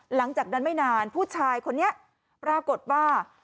หลังจากนั้นไม่นานผู้ชายคนนี้ปรากฏว่า